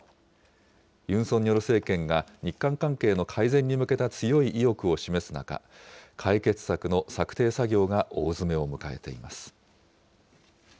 ユン・ソンニョル政権が日韓関係の改善に向けた強い意欲を示す中、解決策の策定作業が大詰めを迎えています。